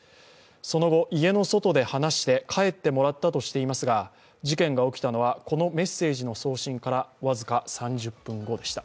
その後、家の外で話して帰ってもらったとしていますが事件が起きたのはこのメッセージの送信から僅か３０分後でした。